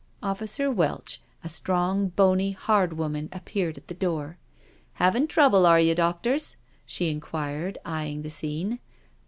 '* Officer Welch, a strong, bony, hard woman appeared at the door. " Havin' trouble, are you, doctors?" she inquired, eyeing the scene.